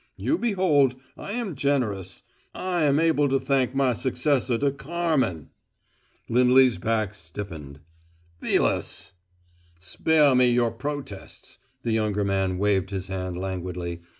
You behold, I am generous: I am able to thank my successor to Carmen!" Lindley's back stiffened. "Vilas!" "Spare me your protests." The younger man waved his hand languidly.